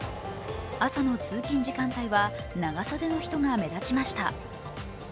朝の通勤時間帯は長袖の人が目立ちました。